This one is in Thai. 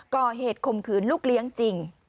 ก็เหตุคมคืนลูกเลี้ยงจริง